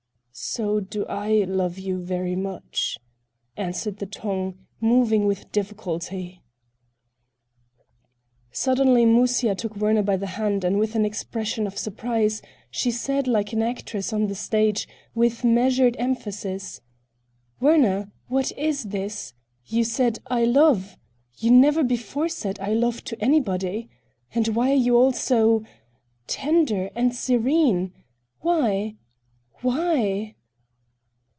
"So do I love you very much," answered the tongue, moving with difficulty. Suddenly Musya took Werner by the hand and with an expression of surprise, she said like an actress on the stage, with measured emphasis: "Werner, what is this? You said, 'I love'? You never before said 'I love' to anybody. And why are you all so—tender and serene? Why?" "Why?"